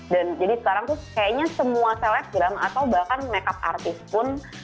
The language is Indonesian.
dan jadi sekarang tuh kayaknya semua celebgram atau bahkan makeup artist pun